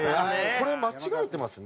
これ間違えてますね。